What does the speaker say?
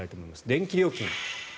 電気料金。